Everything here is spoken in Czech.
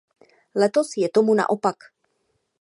Letos je tomu naopak.